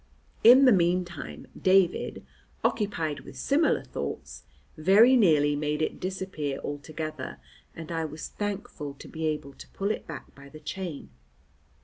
In the meantime David, occupied with similar thoughts, very nearly made it disappear altogether, and I was thankful to be able to pull it back by the chain.